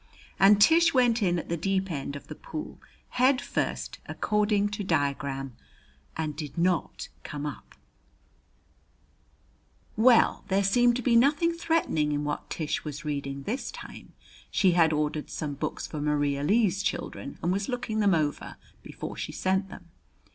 And Tish went in at the deep end of the pool, head first, according to diagram, and did not come up. Well, there seemed to be nothing threatening in what Tish was reading this time. She had ordered some books for Maria Lee's children and was looking them over before she sent them.